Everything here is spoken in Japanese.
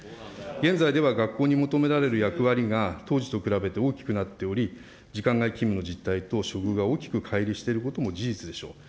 現在では学校に求められる役割が当時と比べて大きくなっており、時間外勤務の実態と、処遇が大きくかい離していることも事実でしょう。